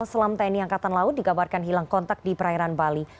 selam tni angkatan laut dikabarkan hilang kontak di perairan bali